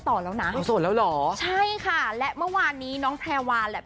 ฉันก็จะบอกว่า